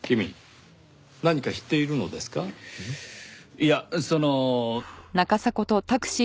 いやその。